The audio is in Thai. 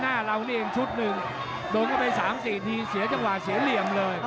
หน้าเรานี่เองชุดหนึ่งโดนเข้าไป๓๔ทีเสียจังหวะเสียเหลี่ยมเลย